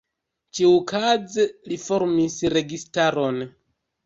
Ĉiukaze li formis registaron.